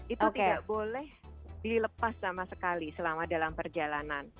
itu tidak boleh dilepas sama sekali selama dalam perjalanan